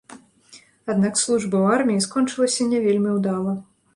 Аднак служба ў арміі скончылася не вельмі ўдала.